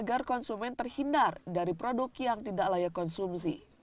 agar konsumen terhindar dari produk yang tidak layak konsumsi